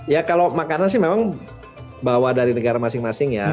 ya kalau makanan sih memang bawa dari negara masing masing ya